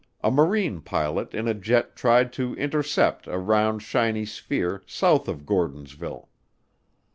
a Marine pilot in a jet tried to intercept a "round shiny sphere" south of Gordonsville.